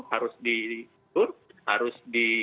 harus disuruh harus